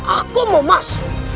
aku mau masuk